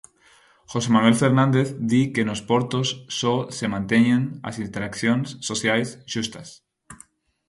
José Manuel Fernández di que nos portos só se manteñen as interaccións sociais xustas.